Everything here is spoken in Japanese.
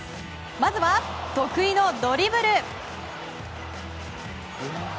まずは得意のドリブル。